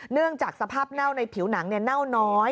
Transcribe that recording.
เนื่องจากสภาพเน่าในผิวหนังเน่าน้อย